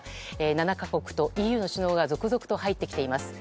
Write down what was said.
７か国とＥＵの首脳が続々と入ってきています。